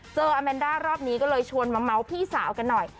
อาแมนด้ารอบนี้ก็เลยชวนมาเมาส์พี่สาวกันหน่อย